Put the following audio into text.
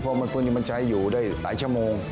เพราะมันฟื้นมันใช้อยู่ได้หลายชั่วโมง